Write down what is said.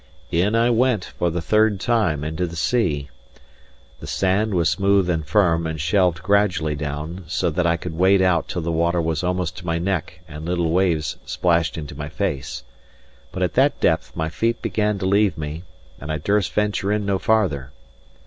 In I went, for the third time, into the sea. The sand was smooth and firm, and shelved gradually down, so that I could wade out till the water was almost to my neck and the little waves splashed into my face. But at that depth my feet began to leave me, and I durst venture in no farther.